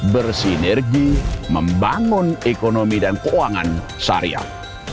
bersinergi membangun ekonomi dan keuangan syariah